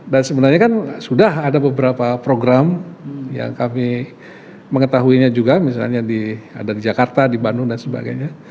dan sebenarnya kan sudah ada beberapa program yang kami mengetahuinya juga misalnya di jakarta di bandung dan sebagainya